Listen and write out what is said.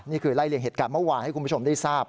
นี่คือไล่เลี่ยเหตุการณ์เมื่อวานให้คุณผู้ชมได้ทราบ